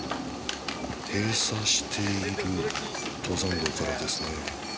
閉鎖している登山道からですね。